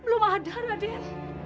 belum ada aden